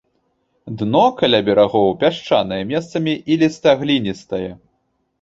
Дно каля берагоў пясчанае, месцамі іліста-гліністае.